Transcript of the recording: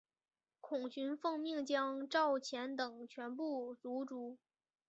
孔循奉命将赵虔等全部族诛。